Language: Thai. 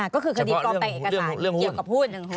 ก็คือคดีปลอมแปลงเอกสารเกี่ยวกับหุ้น